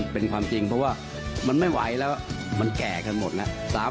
เป็นความจริงเพราะว่ามันไม่ไหวแล้วมันแก่กันหมดแล้ว